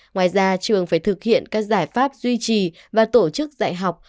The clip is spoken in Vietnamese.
ngoài ra trường phải thực hiện các giải pháp duy trì và tổ chức dạy học